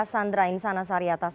sandra insana sariatas